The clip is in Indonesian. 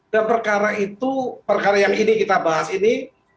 dan perkara itu perkara yang ini kita bahas ini